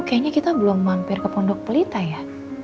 kayaknya kita belum mampir ke pondok pelita ya